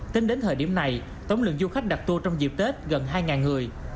tính đến thời điểm này tổng lượng du khách đặt tour trong dịp tết gần hai người